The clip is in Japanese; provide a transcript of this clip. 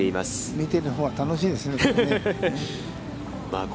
見ているほうは楽しいですね、ここ。